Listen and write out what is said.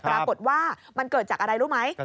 ปรากฏว่ามันเกิดจากอะไรรู้ไหม